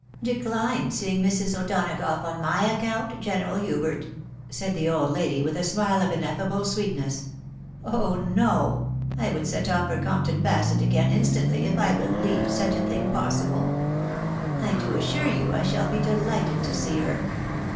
" Decline seeing Mrs. O'Donagough on my account, General Hubert !" said the old lady, with a smile of ineffable sweetness. " Oh ! no — ^I would set off for Compton Basset again instantly, if I believed such a thing possible. I do assure you I shall be dehghted to see her.